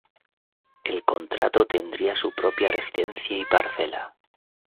El contrato tendría su propia residencia y parcela.